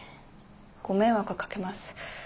ご迷惑かけます。